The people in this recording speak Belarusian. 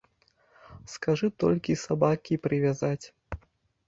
Скажы толькі сабакі прывязаць!